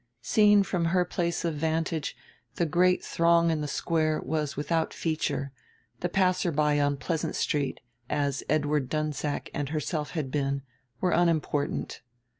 Seen from her place of vantage the great throng in the Square was without feature, the passersby on Pleasant Street as Edward Dunsack and herself had been were unimportant.